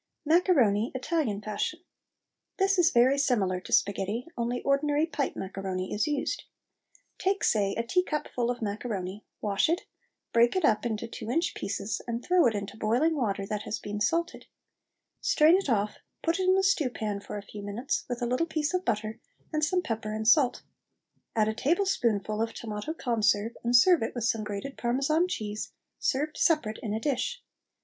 MACARONI ITALIAN FASHION. This is very similar to sparghetti, only ordinary pipe macaroni is used. Take, say, a teacupful of macaroni, wash it, break it up into two inch pieces, and throw it into boiling water that has been salted. Strain it of off, put it in the stew pan for a few minutes, with a little piece of butter and some pepper and salt. Add a tablespoonful of tomato conserve, and serve it with some grated Parmesan cheese, served separate in a dish.